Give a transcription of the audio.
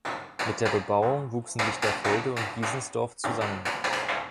Mit der Bebauung wuchsen Lichterfelde und Giesensdorf zusammen.